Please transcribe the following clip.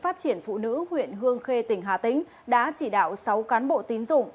phát triển phụ nữ huyện hương khê tỉnh hà tĩnh đã chỉ đạo sáu cán bộ tín dụng